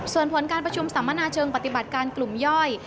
ส่วนผลการประชุมสัมมนาเชิงปฏิบัติการกลุ่มย่อย